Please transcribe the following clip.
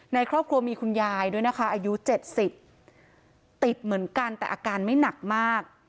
ในครอบครัวมีคุณยายด้วยนะคะอายุ๗๐ติดเหมือนกันแต่อาการไม่หนักมาก